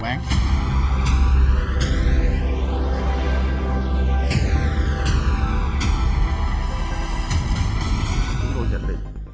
chúng tôi nhận định